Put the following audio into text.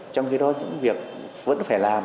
trong khi đó những việc vẫn phải làm